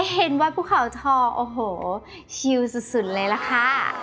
เห็นว่าภูเขาทองโอ้โหชิลสุดเลยล่ะค่ะ